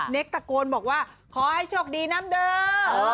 เน็กตะโกนบอกว่าขอให้โชคดีน้ำเดิร์